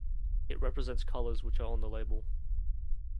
It represents colors which are on the label.